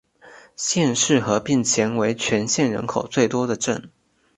县市合并前为全县人口最多的镇。